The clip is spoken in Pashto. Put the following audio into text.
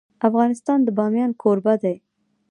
افغانستان د بامیان کوربه دی.